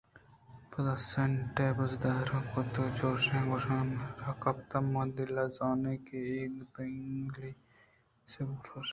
پدا سُنٹے بُرزاد کُت ءُ چُش گوٛشان ءَ رَہ گپت من دل ءَ زانیں کہ اے تنیگہ کٹِکّ ءُ سکّ تُرٛپش اَنت